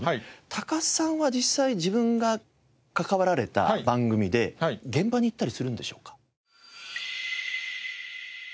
高須さんは実際自分が関わられた番組で現場に行ったりするんでしょうか？